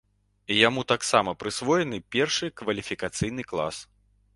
Яму таксама прысвоены першы кваліфікацыйны клас.